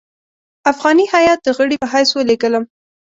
افغاني هیات د غړي په حیث ولېږلم.